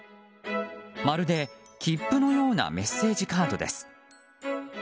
まるで切符のようなメッセージカードです。